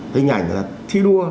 hình ảnh là thi đua